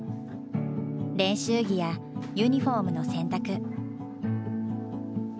練習着やユニフォームの洗濯。